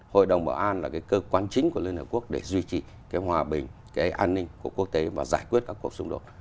hội đồng bảo an là cái cơ quan chính của liên hợp quốc để duy trì cái hòa bình cái an ninh của quốc tế và giải quyết các cuộc xung đột